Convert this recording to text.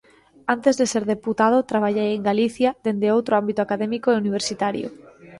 Antes de ser deputado traballei en Galicia dende outro ámbito académico e universitario.